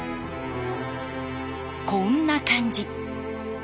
こんな感じ。